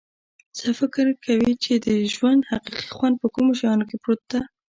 څه فکر کویچې د ژوند حقیقي خوند په کومو شیانو کې پروت ده